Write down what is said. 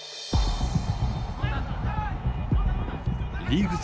リーグ戦